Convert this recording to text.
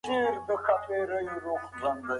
ادبي څېړني موږ ته نوې لارې ښيي.